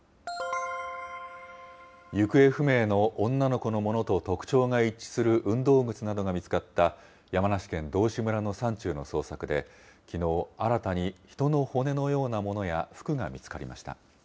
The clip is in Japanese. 行方不明の女の子のものと特徴が一致する運動靴などが見つかった、山梨県道志村の山中の捜索で、きのう、新たに人の骨のようなものや服が見つかりました。